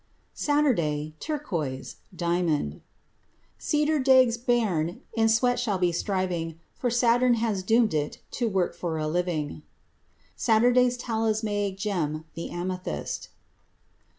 Saturday: Turquoise—diamond. Seater daeg's bairn In sweat shall be striving, For Saturn has doomed it To work for a living. Saturday's talismanic gem: the amethyst.